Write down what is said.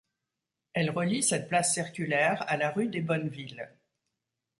Elle relie cette place circulaire à la rue des Bonnes-Villes.